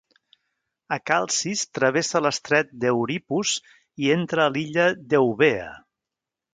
A Calcis travessa l'estret d'Euripus i entra a l'illa d'Eubea.